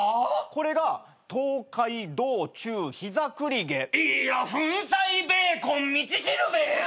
これが『東海道中膝栗毛』いや「粉砕ベーコン道しるべ」